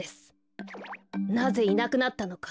なぜいなくなったのか。